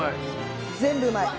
全部うまい。